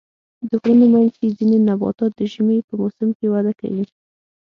د غرونو منځ کې ځینې نباتات د ژمي په موسم کې وده کوي.